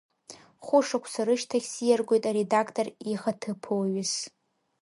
Хәышықәса рышьҭахь сиаргоит аредактор ихаҭыԥуаҩыс.